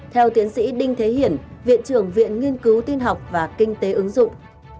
theo tiến sĩ đinh thế hiển viện trưởng viện nghiên cứu tin học và kinh tế ứng dụng